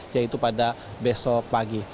yaitu pada besok pagi